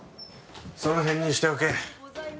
その辺にしておけ。